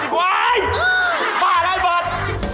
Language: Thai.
เฮ่ยบ้าแล้วทุกคน